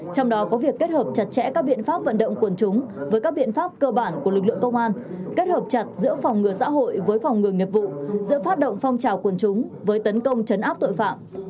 trong đó có việc kết hợp chặt chẽ các biện pháp vận động quần chúng với các biện pháp cơ bản của lực lượng công an kết hợp chặt giữa phòng ngừa xã hội với phòng ngừa nghiệp vụ giữa phát động phong trào quần chúng với tấn công chấn áp tội phạm